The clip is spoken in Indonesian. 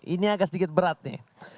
ini agak sedikit beratnya